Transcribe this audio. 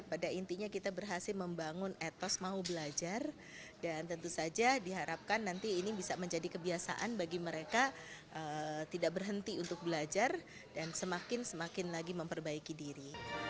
pada intinya kita berhasil membangun etos mau belajar dan tentu saja diharapkan nanti ini bisa menjadi kebiasaan bagi mereka tidak berhenti untuk belajar dan semakin semakin lagi memperbaiki diri